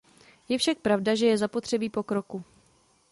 Je však pravda, že je zapotřebí pokroku.